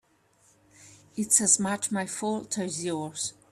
It's as much my fault as yours.